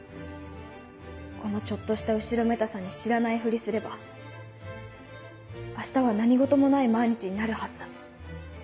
このちょっとした後ろめたさに知らないフリすれば明日は何ごともない毎日になるはずだ。